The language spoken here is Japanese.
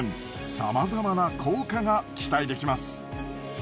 さまざまな効果が期待できます。